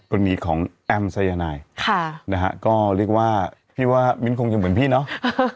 กรณีของแอมสายนายค่ะนะฮะก็เรียกว่าพี่ว่ามิ้นคงยังเหมือนพี่น้อง